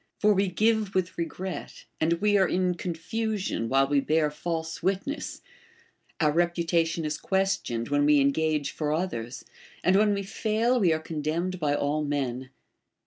For we give with regret, and we are in con * Eurip. Medea, 1078. 72 BASHFULNESS. fusion while we bear false witness ; our reputation is questioned when we engage for others, and when we fail we are condemned by all men.